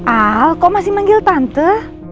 al kok masih manggil tante